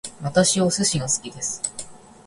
私はお寿司が好きです